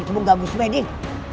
ditemukan gus medin